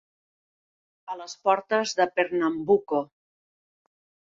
A les portes de Pernambuco.